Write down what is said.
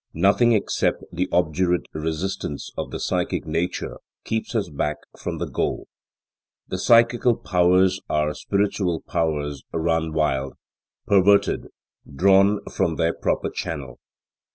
Nothing except the obdurate resistance of the psychic nature keeps us back from the goal. The psychical powers are spiritual powers run wild, perverted, drawn from their proper channel.